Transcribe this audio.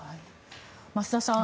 増田さん